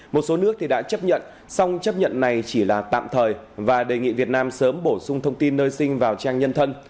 một số nước đã chấp nhận xong chấp nhận này chỉ là tạm thời và đề nghị việt nam sớm bổ sung thông tin nơi sinh vào trang nhân thân